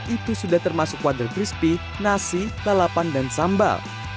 itu sudah termasuk wader crispy nasi telapan dan sambal